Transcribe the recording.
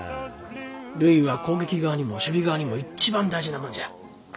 塁は攻撃側にも守備側にも一番大事なもんじゃ。